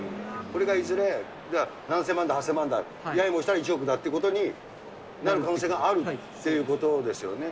これがいずれ、７０００万だ、８０００万だ、ややもしたら１億だということになる可能性があるっていうことですよね。